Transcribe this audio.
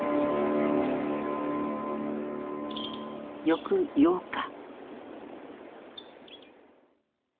翌８日。